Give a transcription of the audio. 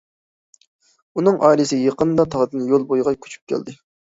ئۇنىڭ ئائىلىسى يېقىندا تاغدىن يول بويىغا كۆچۈپ كەلدى.